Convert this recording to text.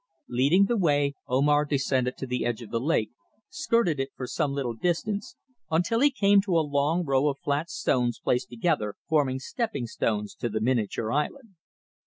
Leading the way, Omar descended to the edge of the lake, skirted it for some little distance, until he came to a long row of flat stones placed together, forming stepping stones to the miniature island.